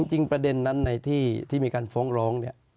จริงประเด็นนั้นในที่มีการฟ้องร้องเนี่ย